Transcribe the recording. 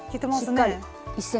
しっかり１ｃｍで。